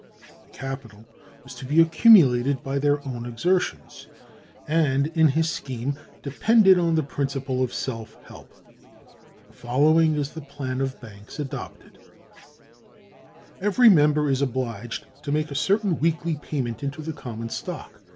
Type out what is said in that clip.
The capital was to be accumulated by their own exertions, and, in his scheme depended on the principle of self help. The following is the plan of banks adopted: "Every member is obliged to make a certain weekly payment into the common stock.